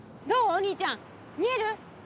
お兄ちゃん見える？